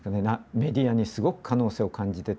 メディアにすごく可能性を感じてて。